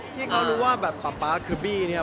ที่เขารู้ว่าแบบป๊าคือบี้